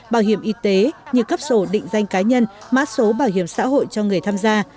bảo hiểm y tế như cấp sổ định danh cá nhân mã số bảo hiểm xã hội cho người tham gia